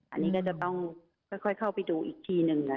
อันนี้ก็จะต้องค่อยเข้าไปดูอีกทีหนึ่ง